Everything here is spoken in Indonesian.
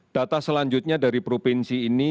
data selanjutnya dari provinsi ini